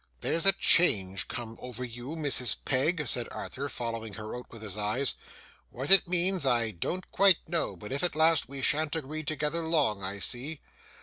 'There's a change come over you, Mrs. Peg,' said Arthur, following her out with his eyes. 'What it means I don't quite know; but, if it lasts, we shan't agree together long I see.